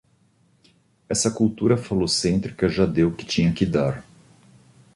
Esssa cultura falocêntrica já deu o que tinha de dar